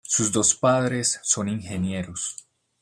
Sus dos padres son ingenieros.